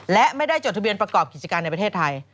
และไม่ได้จดทะเบียนประกอบกิจการในประเทศไทย